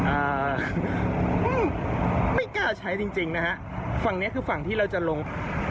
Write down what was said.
อ่าไม่กล้าใช้จริงจริงนะฮะฝั่งเนี้ยคือฝั่งที่เราจะลง